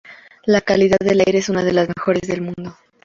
La calidad de aire es una de las mejores del mundo.